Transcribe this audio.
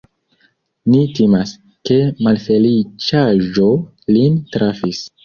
Ni timas, ke malfeliĉaĵo lin trafis.